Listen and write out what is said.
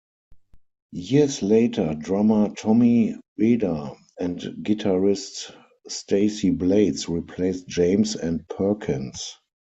Years later drummer Tommy Weder and guitarist Stacey Blades replaced James and Perkins.